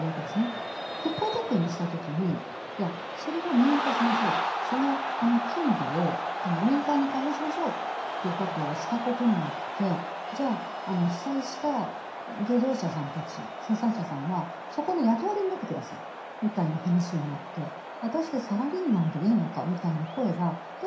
復興特区にした時にいやそれは民営化しましょうその権利を民間に開放しましょうということをしたことによってじゃあ被災した漁業者さんたち生産者さんはそこの雇われになって下さいみたいな話になって果たしてサラリーマンでいいのかみたいな声が現地では結構出たんですね。